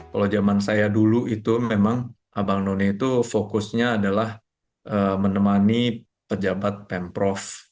kalau zaman saya dulu itu memang abang none itu fokusnya adalah menemani pejabat pemprov